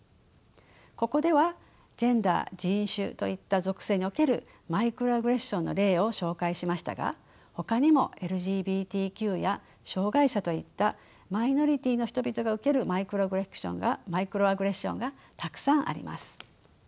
ここではジェンダー人種といった属性におけるマイクロアグレッションの例を紹介しましたがほかにもＬＧＢＴＱや障害者といったマイノリティーの人々が受けるマイクロアグレッションがたくさんあります。